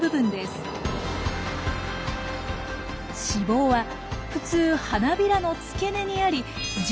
子房は普通花びらの付け根にあり熟すと実になります。